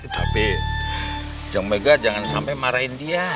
tapi jong mega jangan sampai marahin dia